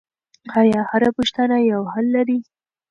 آیا هره پوښتنه یو حل لري؟